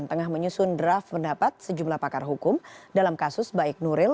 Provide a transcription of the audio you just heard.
tengah menyusun draft pendapat sejumlah pakar hukum dalam kasus baik nuril